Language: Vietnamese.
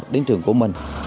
đến trường của mình